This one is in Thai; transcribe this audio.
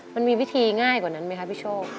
มันมีวิธีง่ายกว่านั้นไหมคะพี่โชค